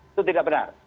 itu tidak benar